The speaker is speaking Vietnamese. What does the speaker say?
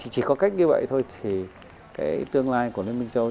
chỉ có cách như vậy thôi thì cái tương lai của liên minh châu âu